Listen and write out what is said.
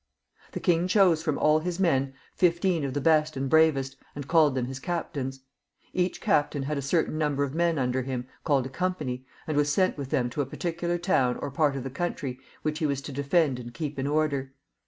The king chose from all his men fifteen of the best and bravest, and called them his captains. Each captain had a certain nimiber of men under him, called a company, and was sent with them to a particular town or part of the country, which he was to defend and keep in order.